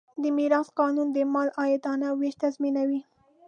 د میراث قانون د مال عادلانه وېش تضمینوي.